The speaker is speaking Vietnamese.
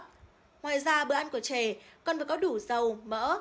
ngoài ra bữa ăn của trẻ còn phải có đủ dầu mỡ